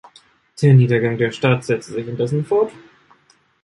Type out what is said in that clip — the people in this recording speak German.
Der Niedergang der Stadt setzte sich indessen fort.